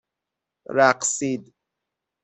رقصید